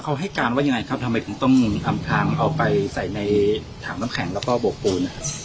เขาให้การว่ายังไงครับทำไมถึงต้องอำทางเอาไปใส่ในถังน้ำแข็งแล้วก็โบกปูน